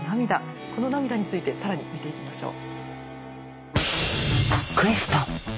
この涙について更に見ていきましょう。